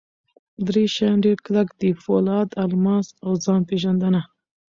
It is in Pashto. درې شیان ډېر کلک دي: پولاد، الماس اوځان پېژندنه.